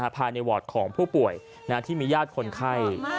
ภายในวอร์ดของผู้ป่วยที่มีญาติคนไข้